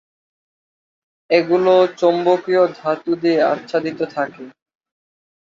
এগুলো চৌম্বকীয় ধাতু দিয়ে আচ্ছাদিত থাকে।